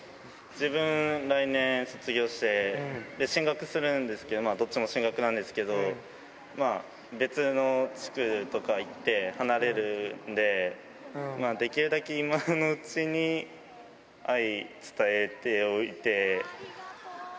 自分、来年卒業して、進学するんですけど、どっちも進学なんですけれども、別の地区とか行って、離れるんで、できるだけいまのうちに、すー。